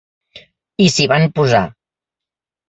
I s’hi van posar.